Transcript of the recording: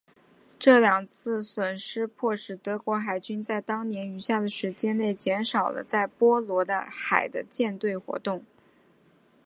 这两次损失迫使德国海军在当年余下的时间内减少了在波罗的海的舰队活动。